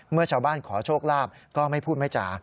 เมื่อชาวบ้านขอโชคลาภก็ไม่พูดไม่จ่า